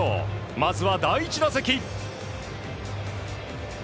まずは、第１打席。